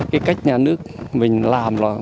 cái cách nhà nước mình làm là